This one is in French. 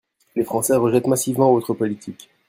Les Français rejettent massivement votre politique.